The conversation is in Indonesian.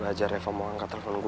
semoga aja reva mau angkat telepon gue